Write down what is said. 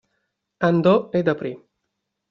Andò ed aprì.